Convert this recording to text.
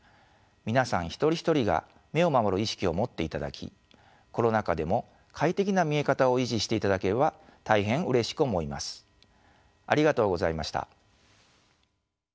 皆さん一人一人が目を守る意識を持っていただきコロナ禍でも快適な見え方を維持していただければ大変うれしく思います。